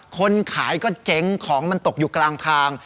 คนขายก็เจ๊งของมันตกอยู่กลางทาง